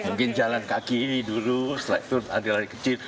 mungkin jalan kaki dulu setelah itu adil adil kecil